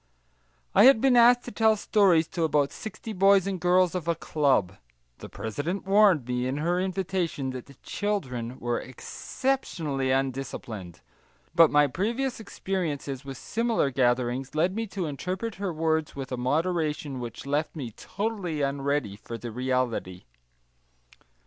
I had been asked to tell stories to about sixty boys and girls of a club; the president warned me in her invitation that the children were exceptionally undisciplined, but my previous experiences with similar gatherings led me to interpret her words with a moderation which left me totally unready for the reality.